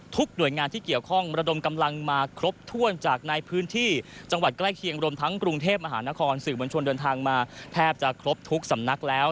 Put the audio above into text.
หน่วยงานที่เกี่ยวข้องระดมกำลังมาครบถ้วนจากในพื้นที่จังหวัดใกล้เคียงรวมทั้งกรุงเทพมหานครสื่อมวลชนเดินทางมาแทบจะครบทุกสำนักแล้ว